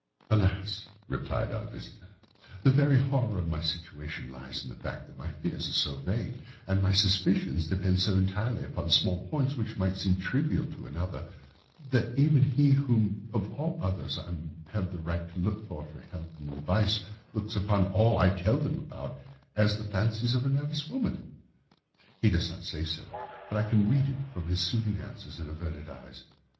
"Alas!" replied our visitor, "the very horror of my situation lies in the fact that my fears are so vague, and my suspicions depend so entirely upon small points, which might seem trivial to another, that even he to whom of all others I have a right to look for help and advice looks upon all that I tell him about it as the fancies of a nervous woman. He does not say so, but I can read it from his soothing answers and averted eyes.